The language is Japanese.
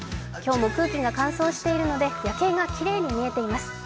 今日も空気が乾燥しているので夜景がきれいに見えています。